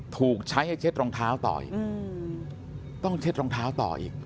ถูกใช้ให้เช็ดรองเท้าต่ออีกต้องเช็ดรองเท้าต่ออีก